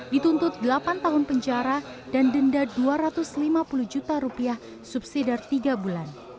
dituntut delapan tahun penjara dan denda dua ratus lima puluh juta rupiah subsidi tiga bulan